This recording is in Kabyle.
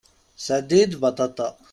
Sɛeddi-yi-d baṭaṭa.